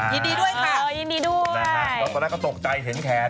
ยินดีด้วยค่ะวันนี้ยินดีด้วยนะครับแต่ตอนแรกเขาตกใจเห็นแขน